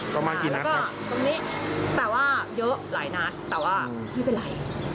ก็มากินนะครับแล้วก็ตรงนี้แต่ว่าเยอะหลายนัดแต่ว่าไม่เป็นไร